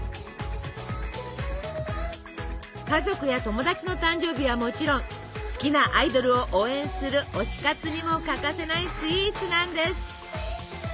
家族や友達の誕生日はもちろん好きなアイドルを応援する推し活にも欠かせないスイーツなんです！